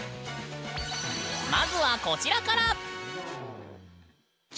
まずはこちらから。